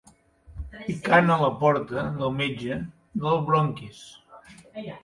Picant a la porta del metge dels bronquis.